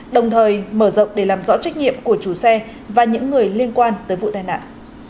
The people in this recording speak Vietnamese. đồng thời mở rộng để làm rõ trách nhiệm của chủ xe và những người liên quan tới vụ tai nạn